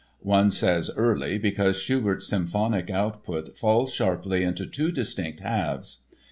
One says "early" because Schubert's symphonic output falls sharply into two distinct halves.